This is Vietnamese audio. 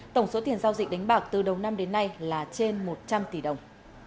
tổng số tiền giao dịch đánh bạc từ đầu năm đến nay là trên một trăm linh tỷ đồng